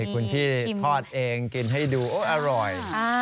คุณพี่ทอดเองกินให้ดูโอ๊ยอร่อย